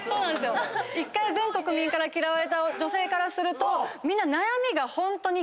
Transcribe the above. １回全国民から嫌われた女性からすると。